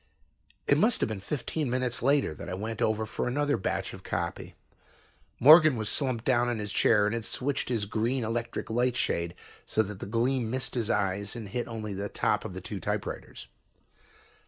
It must have been fifteen minutes later that I went over for another batch of copy. Morgan was slumped down in his chair and had switched his green electric light shade so that the gleam missed his eyes and hit only the top of the two typewriters.